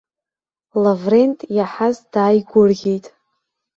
Лаврент иаҳаз дааигәырӷьеит.